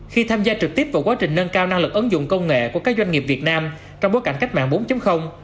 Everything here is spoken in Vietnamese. khi tham gia trực tiếp vào quá trình nâng cao năng lực ứng dụng công nghệ của các doanh nghiệp việt nam trong bối cảnh cách mạng bốn